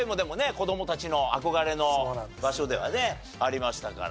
子どもたちの憧れの場所ではねありましたから。